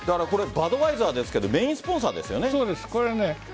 バドワイザーですがメインスポンサーですよね。